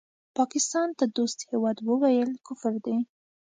پاکستان ته دوست هېواد وویل کفر دی